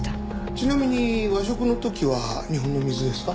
ちなみに和食の時は日本の水ですか？